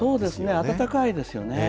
温かいですよね。